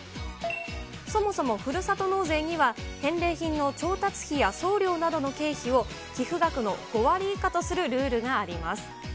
そもそもふるさと納税には、返礼品の調達費や送料などの経費を寄付額の５割以下とするルールがあります。